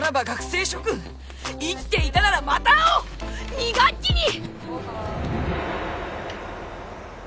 生きていたならまた会おう２学期に！